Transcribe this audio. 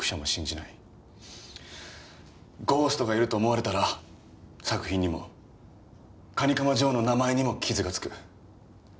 ゴーストがいると思われたら作品にも蟹釜ジョーの名前にも傷がつく。